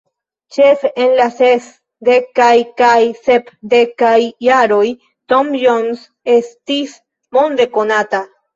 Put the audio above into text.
Ĉefe en la sesdekaj kaj sepdekaj jaroj Tom Jones estis monde konata.